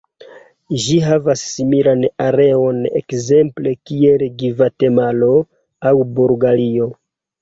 Ĝi havas similan areon ekzemple kiel Gvatemalo aŭ Bulgario.